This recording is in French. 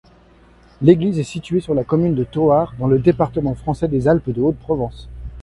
L'église est située sur la commune de Thoard, dans le département français des Alpes-de-Haute-Provence.